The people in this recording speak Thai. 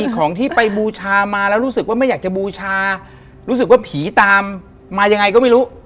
ของที่ไปบูชามาแล้วรู้สึกว่าไม่อยากจะบูชารู้สึกว่าผีตามมายังไงก็ไม่รู้